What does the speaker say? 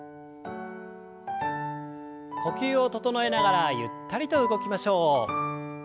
呼吸を整えながらゆったりと動きましょう。